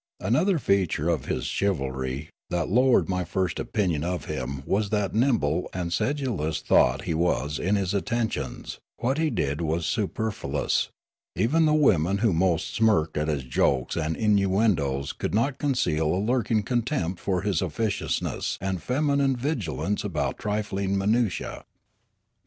Another feature of his chivalry that low ered my first opinion of him was that, nimble and sedulous though he was in his attentions, what he did was superfluous ; even the women who most smirked at his jokes and innuendoes could not conceal a lurking contempt for his officiousness and feminine vigilance about trifling minutiae.